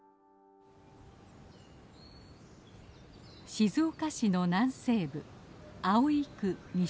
静岡市の南西部葵区西又地区。